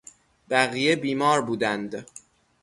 بقیه بیمار بودند.